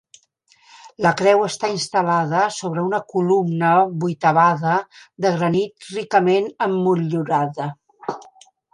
La creu està instal·lada sobre una columna vuitavada de granit ricament emmotllurada.